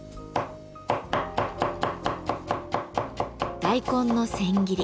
大根の千切り。